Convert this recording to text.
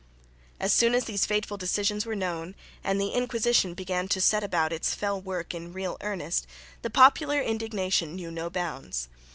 As soon as these fateful decisions were known, and the Inquisition began to set about its fell work in real earnest, the popular indignation knew no bounds.